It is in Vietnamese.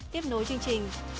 tiếp nối chương trình